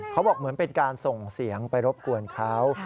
เขาบอกเหมือนเป็นการส่งเสียงไปรบกวนเขา